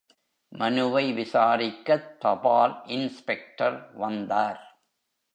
மனுவை விசாரிக்கத் தபால் இன்ஸ்பெக்டர் வந்தார்.